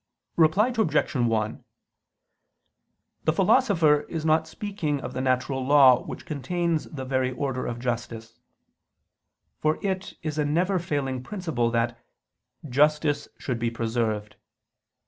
Reply Obj. 1: The Philosopher is not speaking of the natural law which contains the very order of justice: for it is a never failing principle that "justice should be preserved."